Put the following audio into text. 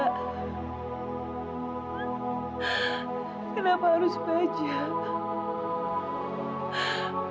kenapa harus bajem